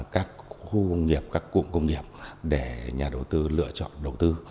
các khu công nghiệp các cụm công nghiệp để nhà đầu tư lựa chọn đầu tư